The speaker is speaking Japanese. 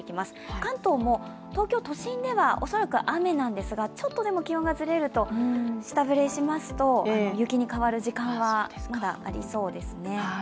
関東も東京都心では恐らく雨なんですがちょっとでも気温がずれると下振れしますと雪に変わる時間はまだありそうですね。